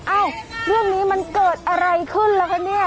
เอ้าเรื่องนี้มันเกิดอะไรขึ้นแล้วคะเนี่ย